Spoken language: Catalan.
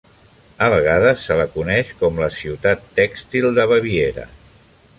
A vegades se la coneix com la "Ciutat Tèxtil de Baviera".